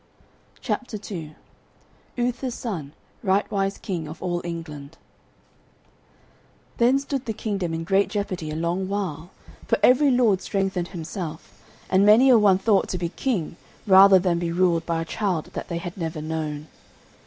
CHAPTER II UTHER'S SON, RIGHTWISE KING OF ALL ENGLAND Then stood the kingdom in great jeopardy a long while, for every lord strengthened himself, and many a one thought to be king rather than be ruled by a child that they had never known.